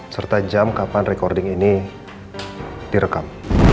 serta jam kapan recording ini direkam